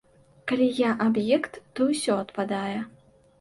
Калі я аб'ект, то ўсё адпадае.